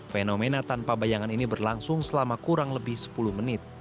fenomena tanpa bayangan ini berlangsung selama kurang lebih sepuluh menit